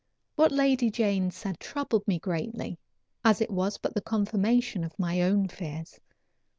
What Lady Jane said troubled me greatly, as it was but the confirmation of my own fears.